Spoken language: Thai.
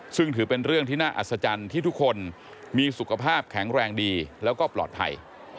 ซึ่งถือเป็นเรื่องที่น่าอัศจรรย์ที่ทุกคนมีสุขภาพแข็งแรงดีแล้วก็ปลอดภัย